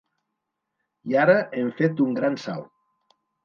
I ara hem fet un gran salt.